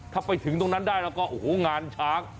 ถ้าไปถึงตรงนั้นได้แล้วก็โอ้โหงานช้าง